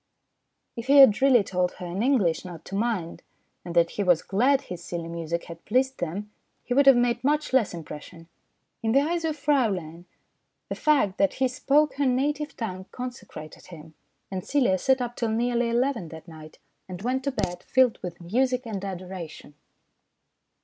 If he had really told her in English not to mind, and that he was glad his silly music had pleased them, he would have made much less impression. In the eyes of Fraulein, the fact that he spoke her native tongue consecrated him ; and Celia sat up till nearly eleven that night, and went to bed filled with music and adoration.